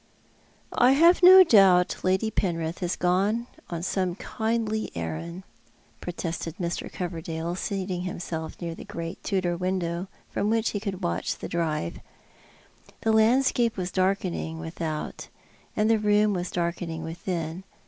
" I have no doubt Lady Penrith has gone upon some kindly errand," protested Mr. Coverdale, seating himself near the great Tudor window, from which he could watch the drive. The landscape was darkening without, and the room was darkening within.